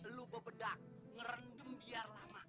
lu bebedak ngerendam biar lama